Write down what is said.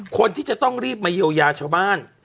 คนที่จะต้องรีบมาเยียวยาชาวบ้าน